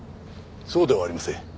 そうではありません。